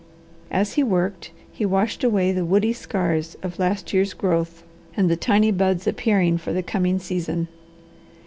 As he worked he washed away the woody scars of last year's growth, and the tiny buds appearing for the coming season.